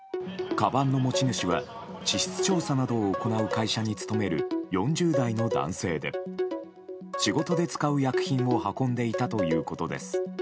かばんの持ち主は地質調査などを行う会社に勤める４０代の男性で仕事で使う薬品を運んでいたということです。